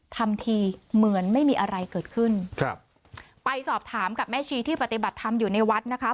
ทำทีเหมือนไม่มีอะไรเกิดขึ้นครับไปสอบถามกับแม่ชีที่ปฏิบัติธรรมอยู่ในวัดนะคะ